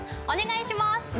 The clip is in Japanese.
お願いします。